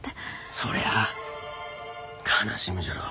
そりゃあ悲しむじゃろう。